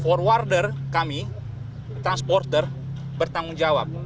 forwarder kami transporter bertanggung jawab